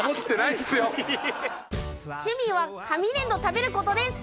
趣味は紙粘土を食べる事です。